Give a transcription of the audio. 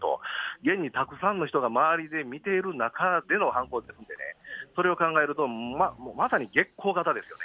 現にたくさんの人が周りで見ている中での犯行ですのでね、それを考えると、まさに激高型ですよね。